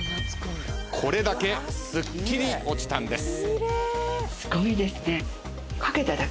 これだけすっきり落ちたんです。